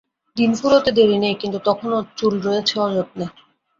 দিন ফুরোতে দেরি নেই, কিন্তু তখনও চুল রয়েছে অযত্নে।